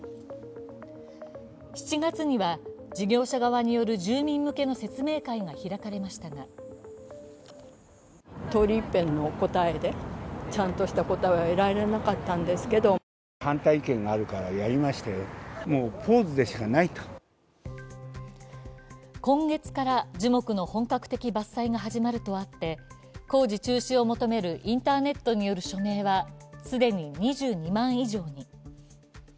７月には事業者側による住民向けの説明会が開かれましたが今月から樹木の本格的伐採が始まるとあって、工事注視を求めるインターネットによる署名は既に２２万以上に。